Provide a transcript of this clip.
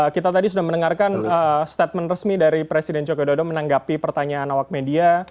kita tadi sudah mendengarkan statement resmi dari presiden joko dodo menanggapi pertanyaan awak media